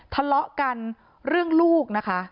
ทะเลาะกันเรื่องลูกนะคะ